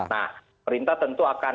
nah perintah tentu akan